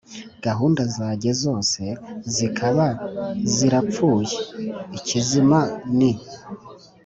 gahunda zajye zose zikaba zirapfuye, ikizima ni